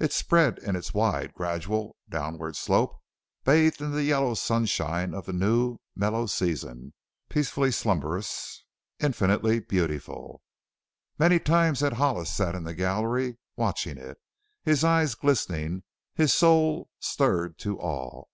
It spread in its wide, gradual, downward slope, bathed in the yellow sunshine of the new, mellow season, peacefully slumberous, infinitely beautiful. Many times had Hollis sat in the gallery watching it, his eyes glistening, his soul stirred to awe.